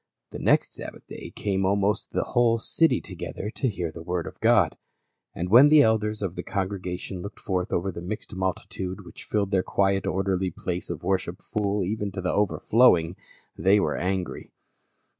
The next Sabbath day came almost the whole city together to hear the word of God. And when the elders of the congregation looked forth over the mixed multitude which filled their quiet orderly place of worship full even to overflowing they were angry.